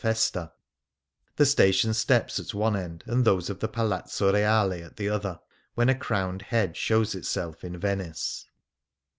Jesta ; the station steps at one end, and those of the Palazzo Reale at the other, when a crowned head shows itself in Venice.